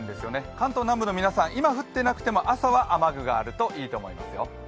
関東南部の皆さん、今降っていなくても朝は雨具があるといいと思いますよ。